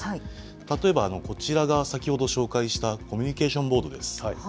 例えば、こちらが先ほど紹介したコミュニケーションボードです。